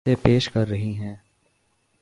جسے پیش کر رہی ہیں